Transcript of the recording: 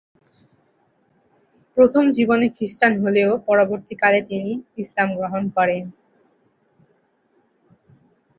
প্রথম জীবনে খ্রিষ্টান হলেও পরবর্তীকালে তিনি ইসলাম গ্রহণ করেন।